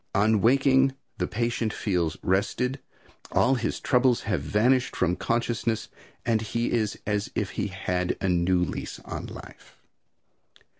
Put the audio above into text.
On waking, the patient feels rested; all his troubles have vanished from consciousness and he is as if he had a new lease of life.